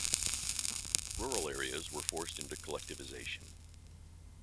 Rural areas were forced into collectivisation.